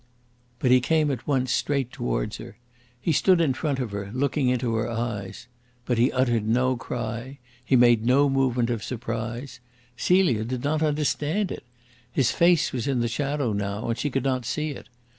But he came at once straight towards her. He stood in front of her, looking into her eyes. But he uttered no cry. He made no movement of surprise. Celia did not understand it. His face was in the shadow now and she could not see it.